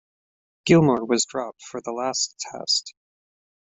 Gilmour was dropped for the last Test.